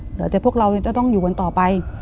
เดี๋ยวแต่พวกเราจะต้องอยู่วันต่อไป